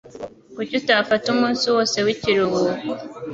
Kuki utafata umunsi wose w'ikiruhuko